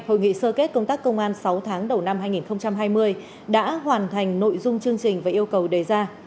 hội nghị sơ kết công tác công an sáu tháng đầu năm hai nghìn hai mươi đã hoàn thành nội dung chương trình và yêu cầu đề ra